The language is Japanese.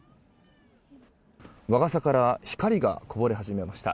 和傘から光がこぼれ始めました。